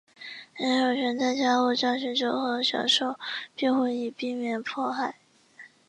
人人有权在其他国家寻求和享受庇护以避免迫害。